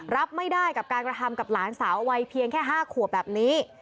รับไม่ได้กับการกระทำกับหลานสาววัยเพียงแค่๕ขวบแบบนี้